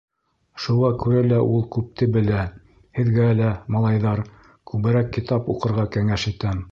Шуға күрә лә ул күпте белә. һеҙгә лә, малайҙар, күберәк китап уҡырға кәңәш итәм...